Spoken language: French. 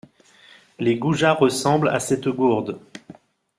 Les goujats ressemblent à cette gourde!